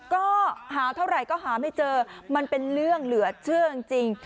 ก็หาเท่าไหร่ก็หาไม่เจอมันเป็นเรื่องเหลือเชื่อจริง